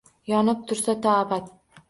Yonib tursa to abad.